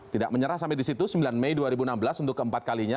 tidak menyerah sampai di situ sembilan mei dua ribu enam belas untuk keempat kalinya